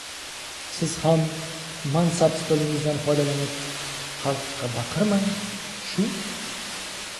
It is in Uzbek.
— Siz ham mansab stolingizdan foydalanib, xalqqa baqirmang! Shu!